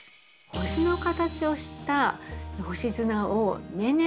星の形をした星砂を。